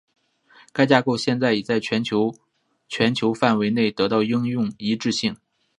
该架构现在已经在全球全球范围内得到应用一致性。